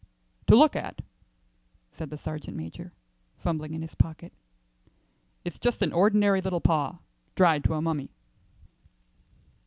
"To look at," said the sergeant major, fumbling in his pocket, "it's just an ordinary little paw, dried to a mummy."